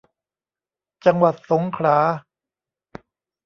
จังหวัดสงขลา